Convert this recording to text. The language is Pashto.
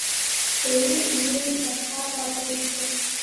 سپیرې ایرې یې پر سر راتوی شوې